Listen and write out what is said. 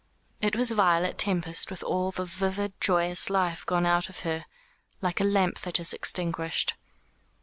It was Violet Tempest with all the vivid joyous life gone out of her, like a lamp that is extinguished.